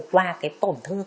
qua cái tổn thương